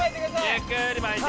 ゆっくり巻いて。